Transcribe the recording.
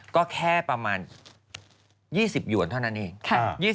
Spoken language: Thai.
ก็แค่ประมาณ๒๐หยวนเท่านั้นเอง